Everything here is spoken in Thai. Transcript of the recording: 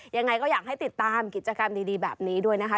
ยังไงก็อยากให้ติดตามกิจกรรมดีแบบนี้ด้วยนะคะ